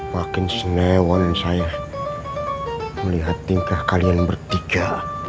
makin senewan saya melihat tingkah kalian bertiga